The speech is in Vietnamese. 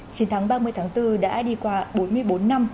chiến thắng ba mươi tháng bốn đã đi qua bốn mươi bốn năm